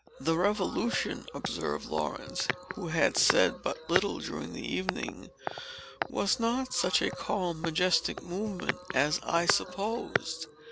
"The Revolution," observed Laurence, who had said but little during the evening, "was not such a calm, majestic movement as I supposed.